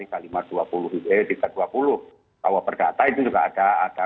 kalau perdata itu juga ada